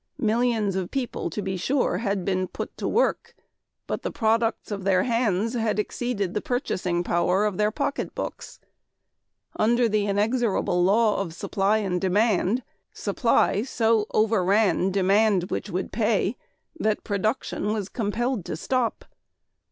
.. millions of people, to be sure, had been put to work, but the products of their hands had exceeded the purchasing power of their pocketbooks. ... Under the inexorable law of supply and demand, supplies so overran demand which would pay that production was compelled to stop.